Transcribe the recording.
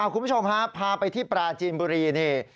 คุณผู้ชมฮะพาไปที่ปราจีนบุรีนี่